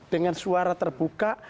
dengan suara terbuka